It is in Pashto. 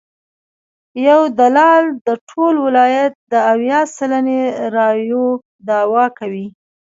یو دلال د ټول ولایت د اویا سلنې رایو دعوی کوي.